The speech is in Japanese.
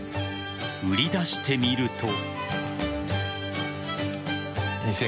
売り出してみると。